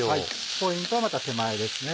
ポイントはまた手前ですね。